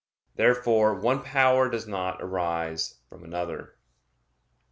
Therefore one power does not arise from another.